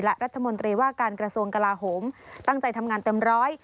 และรัฐมนตรีว่าการกระทรวงกลาโหมตั้งใจทำงานเต็มร้อย